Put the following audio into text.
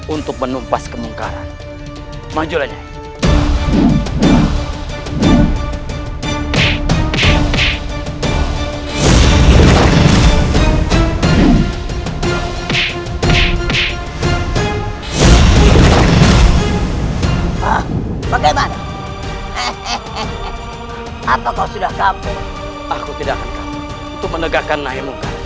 untuk menegakkan nahimungkaran